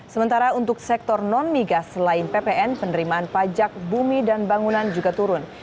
sementara untuk sektor non migas selain ppn penerimaan pajak bumi dan bangunan juga turun